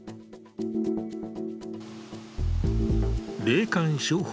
霊感商法